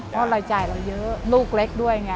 เพราะรายจ่ายเราเยอะลูกเล็กด้วยไง